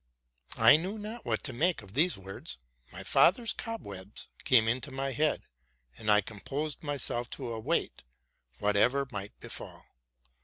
I knew not what to make of these words: my father's cobwebs came into my head, and I com posed myself to await whatever might befall.